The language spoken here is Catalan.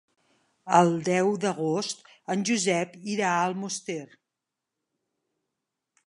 El deu d'agost en Josep irà a Almoster.